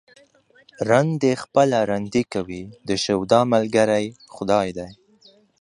رند دي خپله رندي کوي ، د شوده ملگرى خداى دى.